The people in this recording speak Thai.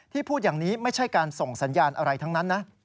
พูดอย่างนี้ไม่ใช่การส่งสัญญาณอะไรทั้งนั้นนะ